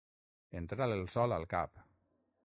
Entrar el sol al cap.